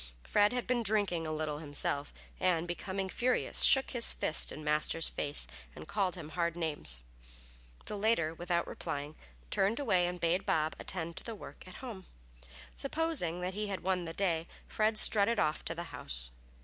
Fred had been drinking a little himself, and becoming furious, shook his fist in Master's face and called him hard names. The latter, without replying, turned away and bade Bob attend to the work at home. Supposing that he had won the day, Fred strutted off to the house.